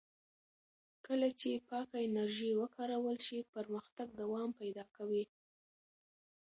کله چې پاکه انرژي وکارول شي، پرمختګ دوام پیدا کوي.